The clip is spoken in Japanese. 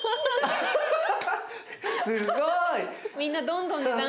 すごい。